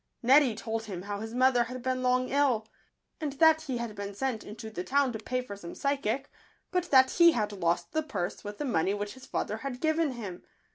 Neddy told him how his mother had been long ill, and that he had been sent into the town to pay for some phy sic, but that he had lost the purse with the money which his father had given him.